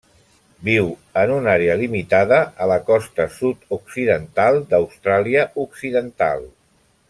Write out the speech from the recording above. Viu en una àrea limitada a la costa sud-occidental d'Austràlia Occidental.